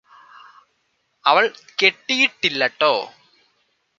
അവള് കെട്ടിയിട്ടില്ലട്ടോ